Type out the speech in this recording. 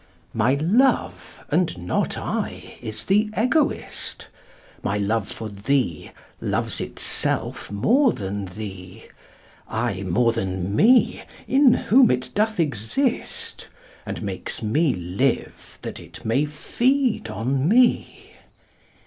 My love, and not I, is the egoist. My love for thee loves itself more than thee; Ay, more than me, in whom it doth exist, And makes me live that it may feed on me.